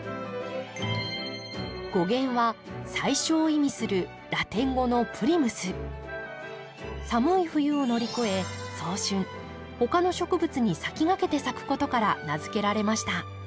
語源は「最初」を意味するラテン語の寒い冬を乗り越え早春他の植物に先駆けて咲くことから名付けられました。